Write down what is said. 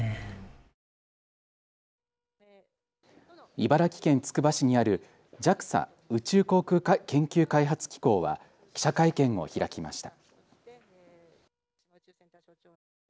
茨城県つくば市にあるＪＡＸＡ・宇宙航空研究開発機構は記者会見を開きました。